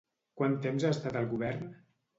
Quant temps ha estat al govern?